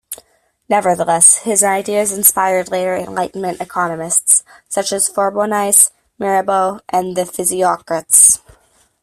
Nevertheless, his ideas inspired later Enlightenment economists, such as Forbonnais, Mirabeau and the Physiocrats.